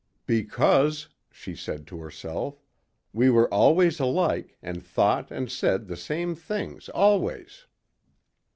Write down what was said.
"Because," she said to herself, "we were always alike and thought and said the same things always."